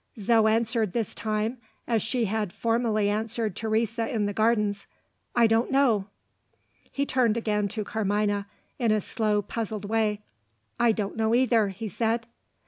Zo answered this time as she had formerly answered Teresa in the Gardens. "I don't know." He turned again to Carmina, in a slow, puzzled way. "I don't know either," he said.